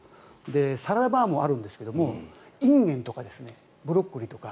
サラダバーもあるんですけどインゲンとかブロッコリーとか